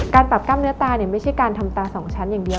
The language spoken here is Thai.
ปรับกล้ามเนื้อตาเนี่ยไม่ใช่การทำตาสองชั้นอย่างเดียว